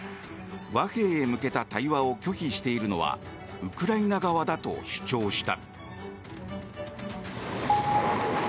和平へ向けた対話を拒否しているのはウクライナ側だと主張した。